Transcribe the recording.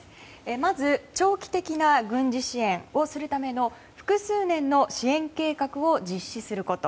まず長期的な軍事支援をするための複数年の支援計画を実施すること。